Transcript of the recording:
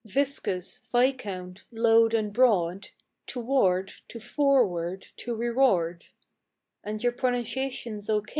Viscous, viscount; load and broad; Toward, to forward, to reward, And your pronunciation's O.